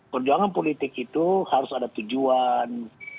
perjuangan politik itu harus ada tujuan